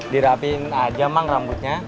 dirapiin aja man rambutnya